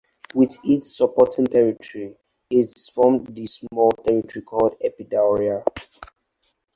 With its supporting territory, it formed the small territory called Epidauria.